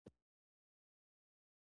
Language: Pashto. اوس په دې کلا کې د قول اردو د مشر کور دی.